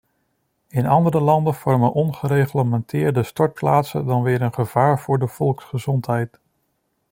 In andere landen vormen ongereglementeerde stortplaatsen dan weer een gevaar voor de volksgezondheid.